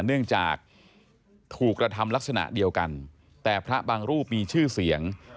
เนื่องจากถูกกระทำลักษณะเดียวกันแต่พระบางรูปมีชื่อเสียง